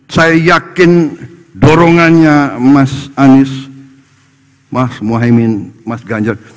saya yakin dorongannya mas anies mas muhaymin mas ganjar